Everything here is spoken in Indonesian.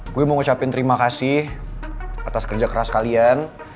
gue mau ucapin terima kasih atas kerja keras kalian